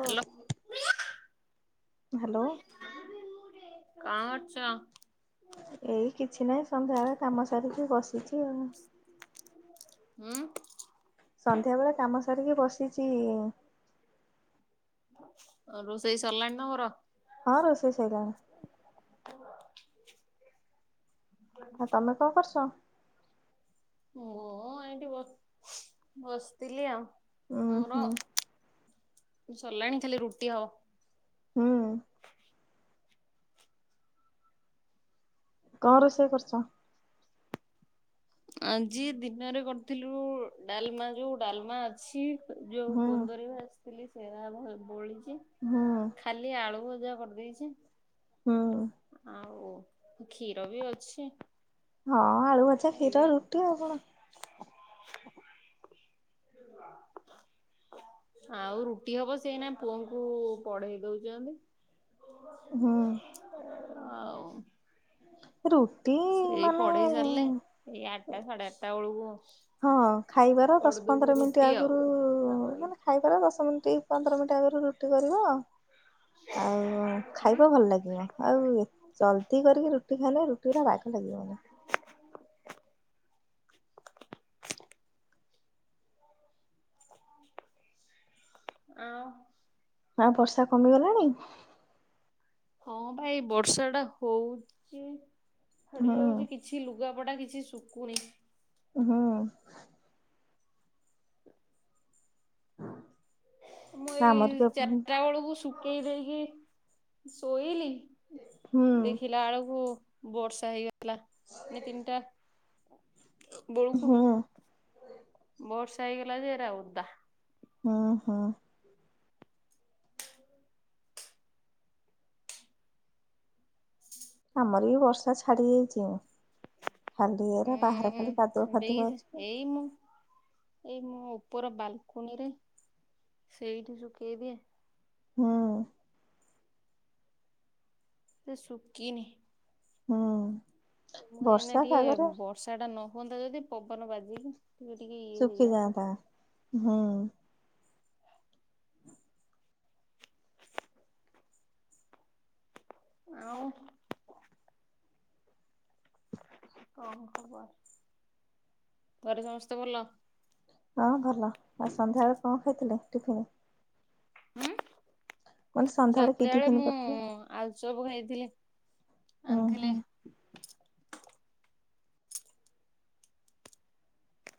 Hello କଣ୍ କରୁଚ? ଏଇ କିଛି ନାହିଁ ସନ୍ଧ୍ୟାବେଳେ କାମ ସାରିକି ବସିଚି ଆଉ। ହୁଁ। ସନ୍ଧ୍ୟାବେଳେ କାମ ସାରିକି ବସିଚି। ଆଉ ରୋଷେଇ ସରିଲାଣି ନା ତମର? ହଁ ରୋଷେଇ ସଇଲାଣି। ଆ ତମେ କଣ କରୁଚ? ମୁଁ ଏଇଠି ବ- ବସିଥିଲି ଆଉ। ଉଁ ମୋର ହୁଁ ସରିଲାଣି ଖାଲି ରୁଟି ହବ। ହୁଁ। କଣ ରୋଷେଇ କରିଚ? ଆଜି ଦିନରେ କରିଥିଲୁ ଡାଲ୍ମା ଯଉ ଡାଲ୍ମା ଅଛି ଯଉ ହୁଁ କୁନ୍ଦରୀ ଭାଜିଥିଲି ସେରା ଭ- ବଳିଚି। ହୁଁ। ଖାଲି ଆଳୁ ଭଜା କରିଦେଇଚି ହୁଁ ଆଉ କ୍ଷୀର ବି ଅଛି। ହଁ ଆଳୁ ଭ ଖାଇବି ଆଉ। [inaudible] [inaudible] ଆଉ ରୁଟି ହବ ସେ ଏଇନା ପୁଅକୁ ପଢେଇ ଦଉଛନ୍ତି। ହଁ। ଆଉ ରୁ ସେଇ ପଢେଇ ସାରିଲେ ଏଇ ଆଠଟା ସାଢେ ଆଠଟା ବେଳକୁ ହଁ ଖାଇବାର ଦଶ କରିଦବୁ ପନ୍ଦର ମିନିଟ୍ ରୁଟି ଆଗରୁ ଆଉ ସାଙ୍ଗ ମାନେ ହେଇକି ଖାଇବାର ଦଶ ମିନିଟ୍ ପନ୍ଦର ମିନିଟ୍ ଆଗରୁ ରୁଟି କରିବ ଆଉ। ଆଉ ଖାଇବ ଭଲ ଲାଗିବ ଆଉ ଜଲଦି କରିକି ରୁଟି ଖାଇଲେ ରୁଟି ଗୁଡାକ ବାଗ ଲାଗିବନି। ଆଉ। ଆଉ ବର୍ଷା କମିଗଲାଣି। ହଁ ପା ଏଇ ବର୍ଷା ଟା ହଉଚି ଛାଡ଼ି ହୁଁ ଯାଉଛି କିଛି କିଛି ଲୁଗାପଟା କିଛି ଶୁଖୁନି। ହଁ। ମୁଁ ଏଇ ଆମର ବି ଏପ ହୁଁ ଚାରିଟା ବେଳକୁ ଶୁଖେଇ ଦେଇକି ଶୋଇଲି ହୁଁ ଦେଖିଲା ବଳକୁ ବର୍ଷା ହେଇଯାଇଥିଲା ମାନେ ତିନିଟା ବେଳକୁ ହୁଁ ବର୍ଷା ହେଇଗଲା ଯେ ଏରା ଓଦା। ହଁ ହଁ। ଆମର ବି ବର୍ଷା ଛାଡି ଯାଇଛି। ଖାଲି ଏରା ବାହାରେ ଖାଲି କାଦୁଆ ହୁଁ ଫାଦୁଆ ଦେଇକି ଅଛି। ଏଇ ମୁ ଏଇ ମୁଁ ଉପର ବାଲକୁନିରେ ସେଇଠି ଶୁଖେଇଦିଏ। ହଁ। ସେ ସୁକିିନି। ହୁଁ ଏଇନା ବର୍ଷା ଟିକେ ପାଗରେ ବର୍ଷା ଟା ନ ହୁଅନ୍ତା ଯଦି ପବନ ବାଜିିକି ସୁଖିଯାଆନ୍ତା ହୁଁ। ଆଉ କଣ ଖବର ଘରେ ସମସ୍ତେ ଭଲ। ହଁ ଭଲ ଆଉ ସନ୍ଧ୍ୟାବେଳେ କଣ ଖାଇଥିଲେ ଟିଫିନ। ହୁଁ ମାନେ ସନ୍ଧ୍ୟାବେଳେ ସାତୁଟା କି ବେଳେ ଟିଫିନ ମୁଁ କରିଥିଲେ? ଆଲୁଚପ ଖାଇଥିଲି ହୁଁ ଆଣିଥିଲେ। ହୁଁ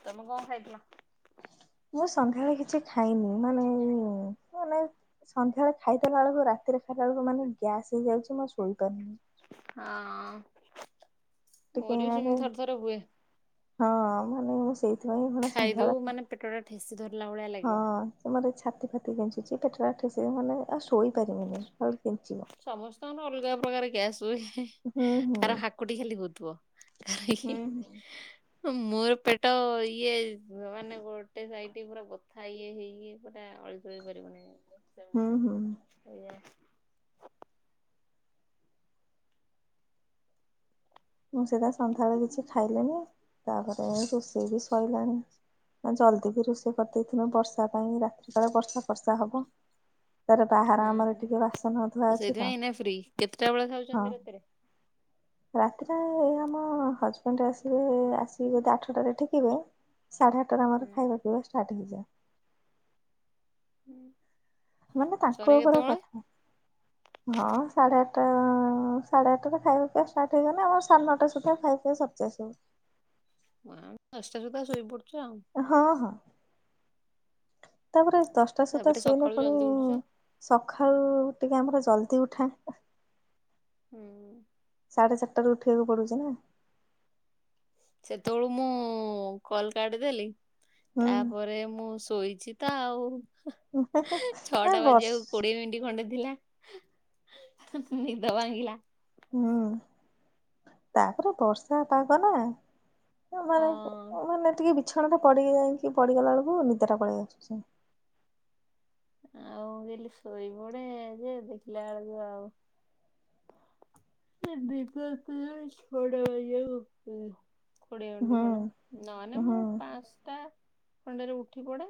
ତମେ କଣ ଖାଇଥିଲ। ମୁଁ ସନ୍ଧ୍ୟାରେ କିଛି ଖାଇନି ମାନେ ଏଇ ମାନେ ସନ୍ଧ୍ୟାଳେ ଖାଇଦଲା ବେଳକୁ ରାତିରେ ଖାଇଲା ବେଳକୁ ମାନେ ଗ୍ୟାସ୍ ହେଇଯାଉଛି ମୁଁ ଆଉ ଶୋଇପାରୁନି। ହଁ। ଟିକେ ମୋର ବି ଏଇନାକେ ସେମିତି ଥରେ ଥରେ ହୁଏ। ହଁ ମାନେ ମୁଁ ସେଇ ଖାଇଦଉ ମାନେ ପେଟ ଟା ଠେସି ଧରିଲା ଭଳିଆ ହଁ ଲାଗିବ। ସେ ମର ଛାତି ଫାତି କେଞ୍ଚୁଛି ପେଟଟା ଠେସେ ମାନେ ଆଉ ଶୋଇ ପାରିବିନି ଖାଲି କେଞ୍ଚିବ। ସମସ୍ତଙ୍କର ଅଲଗା ପ୍ରକାର ଗ୍ୟାସ୍ ହୁଏ। ହୁଁ ହୁଁ କାହାର ହାକୁଟି ଖାଲି ହଉଥିବ ହୁଁ [unintelligible] ହ ମୋର ପେଟ ଇଏ ମାନେ ଗୋଟେ ସାଇଟ ପୁରା ବଥା ଇଏ ହେଇକି ପୁରା ଅଳି ଚଳି ପାରିବିନି [unintelligible] ହୁଁ ହୁଁ। ଏଇଆ ମୁଁ ସେଇଟା ସନ୍ଧ୍ୟାବେଳେ କିଛି ଖାଇଲିଣିି ତାପରେ ରୋଷେଇ ବି ଶଇଲାଣି। ନା ଜଲ୍ଦି ବି ରୋଷେଇ କରିଦେଇଥିନୁ ବର୍ଷା ପାଇଁ ରାତି ସାରା ବର୍ଷା ଫର୍ଷା ହବ। ତାର ବାହାର ଆମର ଟିକେ ବାସନ ଧୂଆ ଅଛି ସେଇଥିପାଇଁ ତ ଏଇନା ଫ୍ରି କେତେଟା ବେଳେ ହଁ। ଖାଉଛନ୍ତି ରାତିରେ? ସେତିରେ ଆମ ହଜବେଣ୍ଡ ଆସିବେ ଆସି କି ବୋଧେ ଆଠଟାରେ ଠିକିବେ ସାଢେ ଆ ସେତରେ ଆମର ହୁଁ ଖାଇବା ପିଇବା ଷ୍ଟାର୍ଟ ହେଇଯାଏ। ମାନେ ତାଙ୍କ ସରେ ଉପର କେତେବେଳେ କଥା। ହଁ ସାଢେ ଆଟା ସାଢେ ଆଠଟା ଖାଇବା ପିଇବା ଷ୍ଟାର୍ଟ ହେଇଗନେ ଆମର ସାଢ଼େ ନଅଟା ସୁଦ୍ଧା ଖାଇବା ପିଇବା ସେରି ଯାଏ ସବୁ। ଆମେ ଦଶଟା ସୁଦ୍ଧା ଶୋଇପଡୁଛ ଆଉ। ହଁ ହଁ ତାପରେ ଦଶଟା ସୁଦ୍ଧା ତାପରେ ଶୋଇଲେ ସକାଳୁ ପୁଣି ଜଲଦି ଉଠୁଛ ସକାଳୁ ଟିକେ ଆମର ଜଲଦି ଉଠା। ହୁଁ। ସାଢ଼େ ଚାରାଟାରୁ ଉଠିବାକୁ ପଡୁଚି ନା। ସେତେବେଳୁ ମୁଁ କଲ କାଟିି ଦେଲି ହୁଁ ତାପରେ ମୁଁ ଶୋଇଛି। ତ ଆଉ ନାଇଁ ଛଅଟା ବର୍ଷ ବାଜିବାକୁ କୋଡିଏ ମିନିଟ ଖଣ୍ଡେ ଥିଲା। ନିଦ ଭାଙ୍ଗିଲା। ହୁଁ ତାପରେ ବର୍ଷା ପାଗ ନା। ହଁ ମାନେ ମାନେ ଟିକେ ବିଛଣା ଟା ପଡିିକି ଯାଇଁକି ପଡିଗଲା ବେଳକୁ ନିଦ ଟା ପଳେଇ ଆସୁଚି। ଆଉ ମୁଁ କହିଲି ଶୋଇ ପଡେ ଯେ ଦେଖିଲା ବେଳକୁ ଆଉ ସେ ଦିପୁ ଆସିଲାଣି ଛଅଟା ବାଜିକୁ ଉଠେ। କୋଡିଏ ମିନିଟ ହୁଁ ଖଣ୍ଡେ ନହନେ ମୁଁ ହୁଁ ପାଞ୍ଚଟା ଖଣ୍ଡରେ ଉଠି ପଡେ।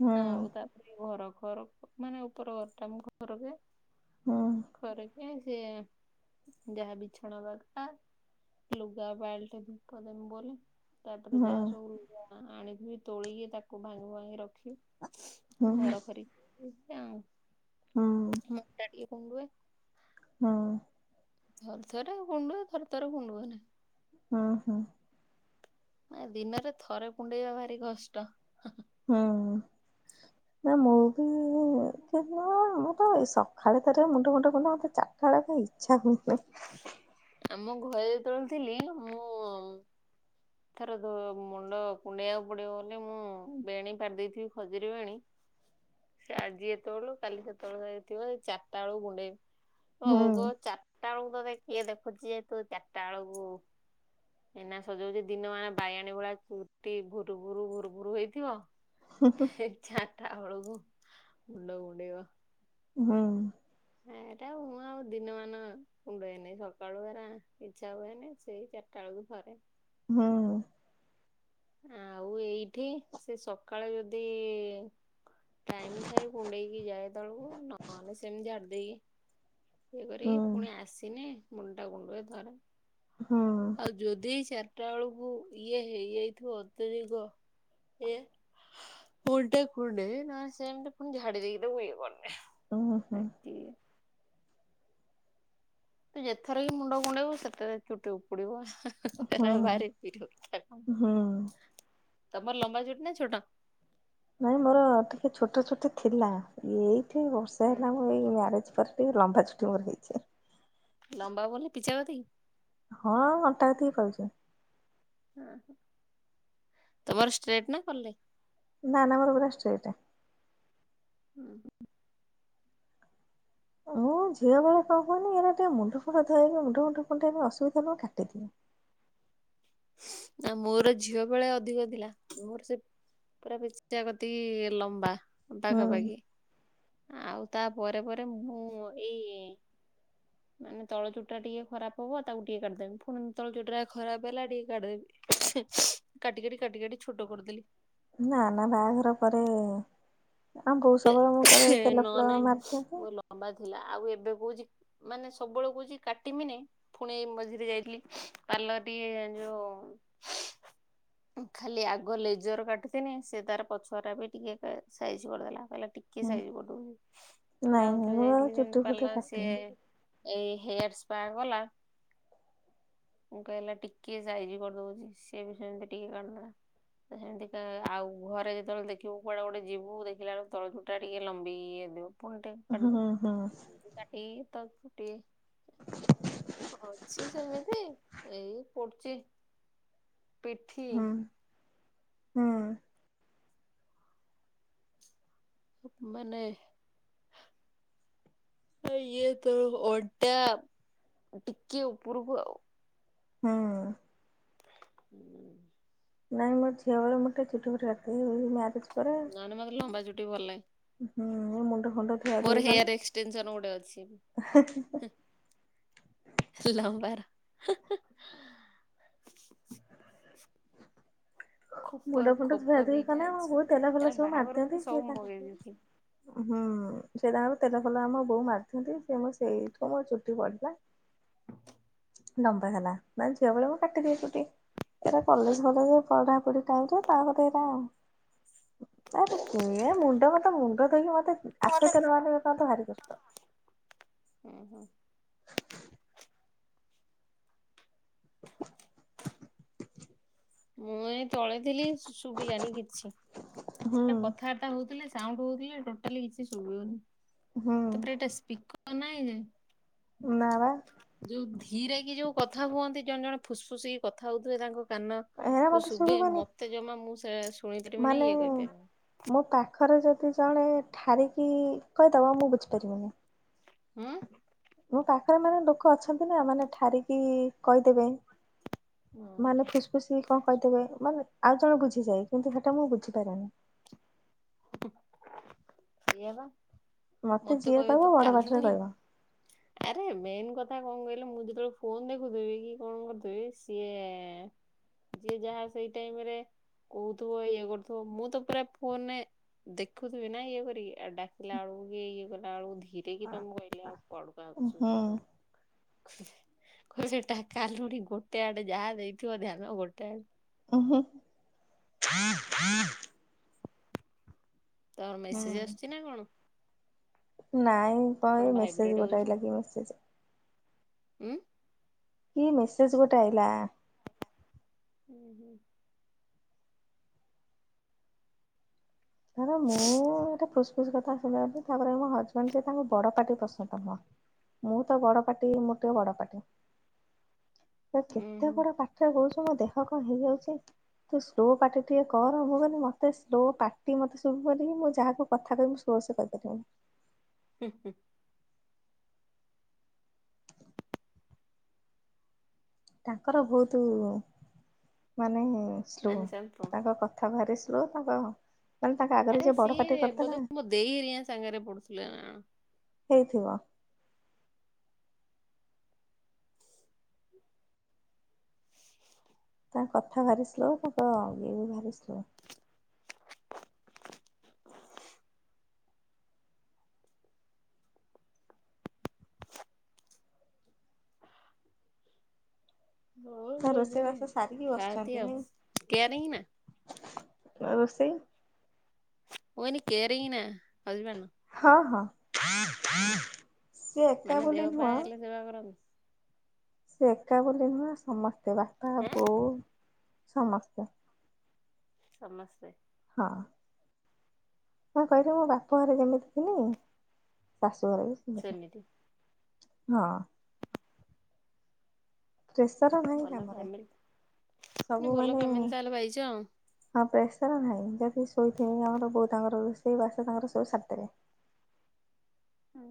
ହୁଁ ଆଉ ତାପରେ ଘର ଘର ମାନେ ଉପର ଘର ଟା ମୋ ଘର ଯେ ହୁଁ ଘରଯେ ଯେ ଯାହା ବିଛଣା ଦରକାର ଲୁଗା ବାଲ୍ଟି ଧୁପ ଦେବି ବୋଲି ତାପରେ ହୁଁ ଯାହା ସବୁ ଆଣିଥିବି ତୋଳିକି ତାକୁ ଭାଙ୍ଗି ଭୁଙ୍ଗାକି ରଖିବି। ହୁଁ ଘର ଖରି ହଁ। ମୋ ଟିକେ ଗୁଣ୍ଡୁଏ। ହଁ। ଥରଥରେ କୁଣ୍ଡୁଏ ଥରଥରେ କୁଣ୍ଡୁଏ ନା। ହଁ ହଁ। ନା ଦିନରେ ଥରେ କୁଣ୍ଡେଇବା ଭାରି କଷ୍ଟ। ହଁ। ନା ମୁଁ ବି ମୋରେ ଏଇ ସକାଳେ ଥରେ ମୁଣ୍ଡ ମୁଣ୍ଡ ଖୁଣ୍ଡ ମୋତେ ଚା ସକାଳେ କାଇଁ ଇଚ୍ଛା ହୁଏ ନାହିଁ। ଆମ ଘରେ ଯେତେ ବେଳେ ଥିଲି ମୁଁ ଦିଥର ମୁଣ୍ଡ କୁଣ୍ଡେଇବାକୁ ପଡିବ ବୋଲି ମୁଁ ବେଣୀ ପାରି ଦେଇଥିବି ଖଜୁରୀ ବେଣୀ [inaudible] ସେ ଆଜି ଏତେବେଳୁ କାଲି ସେତେ ବେଳୁ ଯାଏ ଥିବ ଏ ଚାରିଟା ବେଳକୁ କୁଣ୍ଡେଇବି। ହଉ ହୁଁ ଗୋ ଚାରିଟା ବେଳକୁ ତତେ କିଏ ଦେଖୁଚି ଯେ ତୁ ଚାରିଟା ବେଳକୁ ଏଇନା ସଜଉଛି ଦିନ ମାନେ ବାୟାଣୀ ଭଳିଆ ଚୁଟି ଭୁରୁ ଭୁରୁ ଭୁରୁ ଭୁରୁ ହେଇଥିବ ସିଏ ଚାରିଟା ବେଳକୁ ମୁଣ୍ଡ କୁଣ୍ଡେଇବ। ହୁଁ। ଏଁ ଏଟା ମୁଁ ଆଉ ଦିନମାନ କୁଣ୍ଡେଇନି ସକାଳୁ ହେରା ଇଛା ହୁଏନି ସେଇ ଚା ଚାଟାଳକୁ ଥରେ। ହୁଁ। ଆଉ ଏଇଠି ସେ ସକାଳେ ଯଦି ଟାଇମ ଥାଏ କୁଣ୍ଡେଇକି ଯାଏ ସତେବେଳକୁ ନହେଲେ ସେମିତି ଆର ଦେଇକି ଇଏ ହୁଁ କରିକି ପୁଣି ଆସିନେ ମୁଣ୍ଡଟା କୁଣ୍ଡୁଏ ଥରେ। ହଁ। ଆଉ ଯଦି ଚାରିଟା ବେଳକୁ ଇଏ ହେଇ ଯାଇଥିବ ଅତ୍ୟଧିକ ଏ ଉଲଟେ କୁଣ୍ଢେଇବି ନହେଲେ ସେମିତି ପୁଣି ଝାଡ଼ି ଦେଇିକିରି ତାକୁ ଇୟେ କରିଦେ। ଉଁ ହୁଁ। ତୁ ଯେତଥର ବି ମୁଣ୍ଡ କୁଣ୍ଡେଇବୁ ସେତେ ଚୁଟି ଉପୁଡିବ। ହୁଁ ଏରାକ ଭାରି ବିରକ୍ତିଆ କାମ ହୁଁ ହୁଁ ତମର ଲମ୍ବା ଚୁଟି ନା ଛୋଟ? ନାଇ ମୋର ଟିକେ ଛୋଟ ଚୁଟି ଥିଲା ଏଇଠି ବର୍ଷା ହେଲା ମୁଁ ଏଇ ଏଇ ମ୍ୟାରେଜ ପରେ ଟିକେ ଲମ୍ବା ଚୁଟି ମୋର ହେଇଛି। ଲମ୍ବା ବଲେ ପିଚା କତିକି? ହଁ ଅଣ୍ଟା ଏତିକି କହୁଛି। ଅ ହ ତମର ଷ୍ଟ୍ରେଟ ନା କରଲି? ନା ନା ମୋର ପୁରା ଷ୍ଟ୍ରେଟ। ହୁଁ ହୁଁ। ହଁ ଝିଅ ବେଳ କଣ କହୁନିଏଇନା ଟିକେ ମୁଣ୍ଡ ଫୁଣ୍ଡ ଧୋଇବ ମୁଣ୍ଡ ଫୁଣ୍ଡ କୁଣ୍ଡେଇବ ଅସୁବିଧା ହେଲେ କାଟିଦିଏ। ନା ମୋର ଝିଅ ବେଳେ ଅଧିକ ଥିଲା ମୋର ସେ ପୁରା ପିଚ୍ କା କତି ଲମ୍ବା। ହୁଁ ପାଖାପାଖି ଆଉ ତାପରେ ପରେ ପରେ ମୁଁ ଏଇ ମାନେ ତଳ ଚୁଟିଟା ଟିକେ ଖରାପ ହବ ତାକୁ ଟିକେ କାଟିଦେବି ପୁଣି ତଳ ଚୁଟିଟା ଖରାପ ହେଲା ଟିକେ କାଟିଦେମି। କାଟି କାଟି କାଟି କାଟି ଛୋଟ କରିଦେଲି। ନା ନା ବାହାଘର ପରେ ଆଉ ବୋଉ ସବୁବେଳେ ମୁଣ୍ଡରେ ତେଲ ନ ଫେଲ ନାଇଁ ମାରିଦିଅନ୍ତି ମୋ ଲମ୍ବା ଥିଲା ଆଉ ଏବେ କହୁଛି ମାନେ ସବୁବେଳେ କହୁଛି କାଟିମିନି ଫୁଣି ମଝିରେ ଯାଇଥିଲି ପାର୍ଲର ଟିକେ ଯୋଉ [inaudible] ଖାଲି ଆଗ ଲେଜର କାଟିିନି ସେ ତାର ପଛୁଆଟା ବି ଟିକେ ସାଇଜ୍ କରିଦେଲା। କହିଲା ଟିକେ ହୁଁ ସାଇଟ ପଟକୁ ଫୁଣି ନାଇଁ ନାଇଁ ଆଉଥରେ ମୁଁ ଆଉ ଯାଇଥିଲି ଯେମତି ଚୁଟି ଫୁଟି ପାରଲର ସିଏ କାଟିନି ଏଇ ହେୟାର ସ୍ପା ଗଲା ମୁଁ କହିଲି ଟିକେ ସାଇଜ କରିଦଉଛି ସିଏ ବି ସେମିତି ଟିକେ କାଟିଦେଲା। ସେମିତିକା ଆଉ ଘରେ ଯେତେବେଳେ ଦେଖିବୁ କୁଆଡେ ଗୋଟେ ଯିବୁ ଦେଖିଲା ବେଳକୁ ତଳ ଚୁଟି ଟା ଟିକେ ଲମ୍ବି ଯାଇଥିବ ପୁଣିଟିକେ ହୁଁ କାଟି ହୁଁ ହୁଁ ଦିଅ ନିଜେ କାଟି ହେଇ ହେଇ ତ ଟି ଅଛି ସେମିତି ଏଇ ପଡୁଛି ପିଠି ହୁଁ ହୁଁ। ମାନେ ଇଏ ତ ଅଣ୍ଟା ଟିକେ ଉପରକୁ ଆଉ। ହୁଁ। ହୁଁ। ନାଇଁ ମୋ ଝିଅ ବେଳୁ ମୁଁ ଟିକେ ଚୁଟି ଫୁଟି ରଖେ [unintelligible] ମ୍ୟାରେଜ୍ ନହେଲେ ମତେ ଲମ୍ବା ଚୁଟି ଭଲ ଲାଗେ। ହୁଁ ମୋ ମୁଣ୍ଡ ଫୁଣ୍ଡ ଧୁଆ ମୋର ଧୁଇ କଲେ ହେୟାର ଏକ୍ସଟେନସନ ଗୋଟେ ଅଛି। ଲମ୍ବା ର। ଖୋପ ମୁଣ୍ଡ ଫୁଣ୍ଡ ଖୋପ ଧୁଆ ଧୁଇ ଦିଟା କଲା ଅଛି। ବୋଉ ତେଲଫେଲ ଏରା ସବୁ ମାରି ବାହାଘରକୁ ମୁଁ ଦିଅନ୍ତି ସବୁ ସିଏ ତା ମଗେଇ ଦେଇଥିଲି। ହୁଁ ସେଟାଙ୍କ ତେଲ ଫଲ ଆମ ବୋଉ ମାରିଥାନ୍ତି ସେ ସେଇଠୁ ମୋର ଚୁଟି ବ [inaudible] ନମ୍ବା ହେଲା ମାନେ ଝିଅ ବେଳେ ମୁଁ କାଟିଦିଏ ଚୁଟି ଏଇଟା କଲେଜ ଫଳେଜ୍ ପଢା ପଢି ଟାଇ ର ତାପରେ ଏଇଟା ଆଉ ଆ ମୁଣ୍ଡ ମତେ ମୁଣ୍ଡ ଦେଇକି ମତେ ଆପେ ତେଲ ମ ନେ ମତେ ଭାରି କଷ୍ଟ। ହୁଁ ହୁଁ। [inaudible] [inaudible] ମୁଁ ଏ ପଳେଇଥିଲି ଶୁଭିଲାନି କିଛି ହୁଁ କଥା ହଉଥିଲେ ସାଉଣ୍ଡ ହଉଥିଲେ ଟୋଟାଲି କିଛି ଶୁଭନି। ହୁଁ ତାପରେ ଏଇଟା ସ୍ପି ତ ନହିଁ ଯେ ନା ଯୋଉ ଧୀରେ କି ଯୋଉ କଥା ହୁଅନ୍ତି ଜଣେ ଜଣେ ଫୁସ୍ଫୁସ୍ କି କଥା ହଉଥିଲେ ତାଙ୍କ କାନ ହେରା କୁ ମତେ ଶୁଭେ ଶୁଭିବନି ମତେ ଜମା ମୁଁ ସେ ଶୁଣି ପାରିବିନି ମାନେ? ଇଏ କହିପାରିବିନି ମୋ ପାଖରେ ଯଦି ଜଣେ ଠାରିକି କହିଦବ ମୁଁ ବୁଝିପାରିବନି। ହଁ? ମୋ ପାଖରେ ମାନେ ଲୋକ ଅଛନ୍ତି ନା ମାନେ ଠାରିକି କହିଦେବେ? ହୁଁ ମାନେ ଫୁସ ଫୁସି କଣ କହିଥିବେ ମାନେ ଆଉ ଜଣ ବୁଝିଯାଏ କିନ୍ତୁ ସେଟା ମୁଁ ବୁଝିପାରନି। ସେଇଆ ବା ମତେ ଯିଏ କହିବେ କହିବ ତୁ ବଡ ପାଟିରେ କାଲୁଣି? କହିବ ଆରେ ମେନ୍ କଥା କଣ କହିଲେ ମୁଁ ଯେତେବେଳେ ଫୋନ ଦେଖୁଥିବି କି କଣ କରିୁଥିବି ସିଏ ଯିଏ ଯାହା ସେଇ ଟାଇମ ରେ କହୁଥିବ ଇଏ କରୁଥିବ ମୁଁ ତ ପୁରା ଫୋନରେ ଦେଖୁଥିବି ନା ଇଏ କରି ଡାକିଲା ବେଳକୁ କି ଇଏ କଲା ବକୁ ଧୀ ଏ ଦେଇକି ତମ କହିଲଆ ଆ ଉହୁଁ ପଡକା [unintelligible] କହୁଛି ଏଟା କାଲୁଣି ଗୋଟେ ଆଡେ ଯାହା ଦେଇଥିବ ଧ୍ୟାନ ଗୋଟେ ଆଡେ। ଓହୋ। ତମ ହୁଁ ମେସେଜ୍ ଆସୁଛି ନା କଣ? ନାଇଁ କଣ ମେସେଜ ଗୋଟା ଲାଗି ମେସେଜ ହୁଁ? କି ମେସେଜ୍ ଗୋଟେ ଆଇଲା? ହୁଁ ହୁଁ। ଦା ମୁଁ ଏତ ପ୍ରଶ୍ ଖୁ କଥା ତାପରେ ମୋ ହଜବେଣ୍ଡ ସ ତାଙ୍କୁ ବଡ଼ପାଟି ପସନ୍ଦ ମ ମୁଁ ତ ବଡ ପାଟି ମୁଁ ଟିକେ ବଡ ପାଟି ହୁଁ କେତେ ବଡ ପାଟି? କହୁଛୁ ମୋ ଦେହ କଣ ହେଇଯାଉଛି ତୁ ସ୍ଲୋ ପାଟି ଟିକେ କର ମୁଁ କହିଲି ମତେ ସ୍ଲୋ ପାଟି ମତେ ଶୁଭୁନି ମୁଁ ଯାହାକୁ କଥା କହିବି ଜୋର୍ ସେ କହିପାରିବିନି। ହୁଁ ହୁଁ। ତାଙ୍କର ବହୁତ ମାନେ ସ୍ଲୋ ମାନେ ସାମ୍ପ ତାଙ୍କ କଥା। [unintelligible] ଭାରି ସ୍ଲୋ ତାଙ୍କ ମାନେ ତାଙ୍କ ଆଗରେ ଆରେ ଯିଏ ବଡ ପାଟି ସିଏ ବୋଧେ କରିଦେଲା ମୋ ଦେଇ ଘରିକା ସାଙ୍ଗରେ ପଡ଼ୁଥିଲେ। ହେଇଥିବ। ତାଙ୍କ କଥା ଭାରି ସ୍ଲୋ ତାଙ୍କ ଇଏ ବି ଭାରି ସ୍ଲୋ ହଁ ତା ଜଣେ ରୋଷେଇ ଜଣେ ବାସ ସାରିକି ଥାଆନ୍ତି ବସିଛନ୍ତି ଆଉ ନାଇ କେୟାରିଂ ନା ରୋଷେଇ ଓହନି କ୍ୟାରେଇଂ ନା ହଜବାଣ୍ଡ୍। ହଁ ହଁ ସେ ଏକା ମାନେ ଦେହ ବୋଲି ପା ନୁହଁ ହେଲେ ସେବା କରନ୍ତି? ସେ ଏକା ବୋଲି ନୁହେଁ ସମସ୍ତେ ବାପା, ଆଁ ବୋଉ ସମସ୍ତେ। ସମସ୍ତେ। ହଁ। ହଁ, ସେଠୁ ମୁ ବାପ ଘରେ ଯେମିତି ଥିଲି ଶାଶୁ ଘରେ ବି ସେମିତି। ହଁ। ପ୍ରେସର ନାଇଁ ଭଲ କାମରେ ଫ୍ୟାମିଲି ସବୁ ଭଲ ମାନେ ଫ୍ୟାମିଲି ତାହେଲେ ପାଇଛ ହଁ, ପ୍ରେସର ନାହିଁ ଯଦି ଶୋଇଥିବ ଆମର ବୋଉ ତାଙ୍କର ରୋଷେଇ ବାସ ତାଙ୍କର ସବୁ ସାରିଦେବେ। ହଁ।